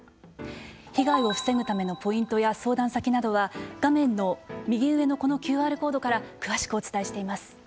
被害を防ぐためのポイントや相談先などは画面の右上のこのＱＲコードから詳しくお伝えしています。